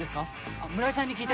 あっ村井さんに聞いて。